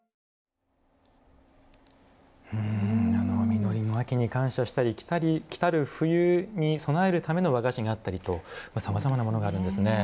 実りの秋に感謝したり来たる冬に備えるための和菓子があったりとさまざまなものがあるんですね。